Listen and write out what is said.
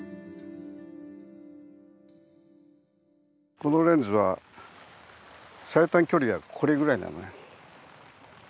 このレンズは最短距離がこれぐらいなのね。